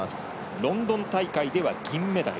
ロンドン大会では銀メダル。